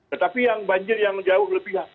tetapi yang banjir yang jauh lebih